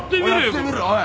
やってみろおい